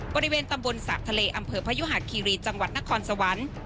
บริเวณตำบลสระทะเลอำเภอพยุหาคีรีจังหวัดนครสวรรค์